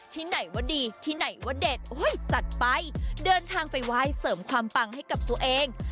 ที่ไหนว่าดีที่ไหนว่าเด็ดจัดไปเดินทางไปไหว้เสริมความปังให้กับตัวเอง